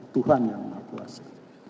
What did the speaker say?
tuhan yang maha kuasa